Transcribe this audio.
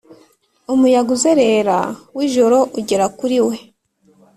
umuyaga uzerera wijoro ugera kuri we